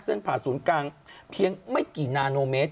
ผ่าศูนย์กลางเพียงไม่กี่นาโนเมตร